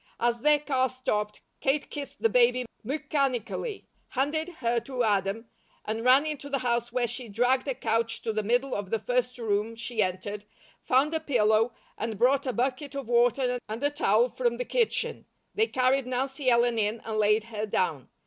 As their car stopped, Kate kissed the baby mechanically, handed her to Adam, and ran into the house where she dragged a couch to the middle of the first room she entered, found a pillow, and brought a bucket of water and a towel from the kitchen. They carried Nancy Ellen in and laid her down.